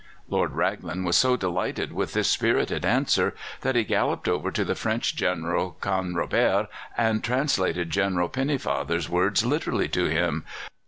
Lord Raglan was so delighted with this spirited answer that he galloped over to the French General Canrobert and translated General Pennefather's words literally to him.